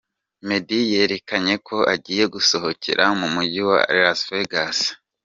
Meddy yerekanye ko agiye gusohokera mu mujyi wa Las Vegas.